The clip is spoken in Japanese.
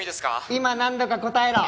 今何度か答えろ。